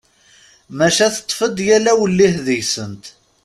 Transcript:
Maca teṭṭef-d yal awellih deg-sent.